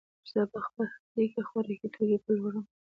زه په خپله هټۍ کې خوراکي توکې پلورم.